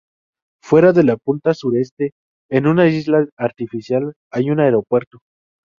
Fuera de la punta sureste, en una isla artificial, hay un aeropuerto.